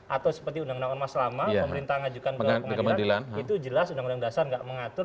atau seperti undang undang ormas lama pemerintah ngajukan ke pengadilan itu jelas undang undang dasar nggak mengatur